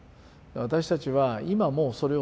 私たちは今もうそれを探そう。